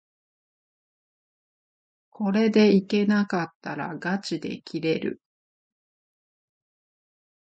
これでいけなかったらがちで切れる